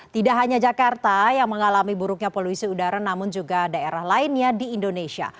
tidak hanya jakarta yang mengalami buruknya polusi udara namun juga daerah lainnya di indonesia